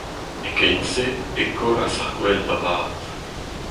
E-keit-se e kollas ar gwel da vat.